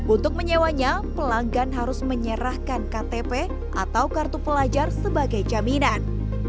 untuk menyewanya pelanggan harus menyerahkan ktp atau kartu pelajar sebagai jaminan